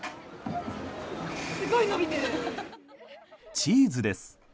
チーズです。